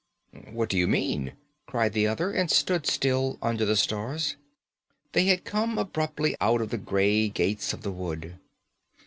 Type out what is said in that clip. "What do you mean?" cried the other, and stood still under the stars. They had come abruptly out of the grey gates of the wood.